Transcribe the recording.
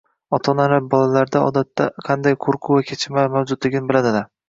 Ota-onalar bolalarda odatda qanday qo‘rquv va kechinmalar mavjudligini biladilar.